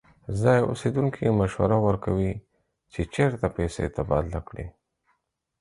ځایی اوسیدونکی مشوره ورکوي چې چیرته پیسې تبادله کړي.